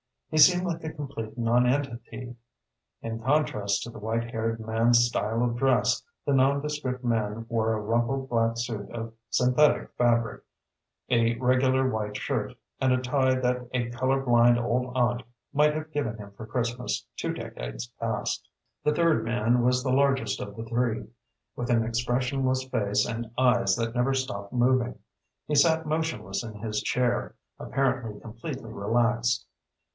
He seemed like a complete non entity. In contrast to the white haired man's style of dress, the nondescript man wore a rumpled black suit of synthetic fabric, a regular white shirt, and a tie that a color blind old aunt might have given him for Christmas two decades past. [Illustration (2 page 51 and 52)] The third man was the largest of the three, with an expressionless face and eyes that never stopped moving. He sat motionless in his chair, apparently completely relaxed.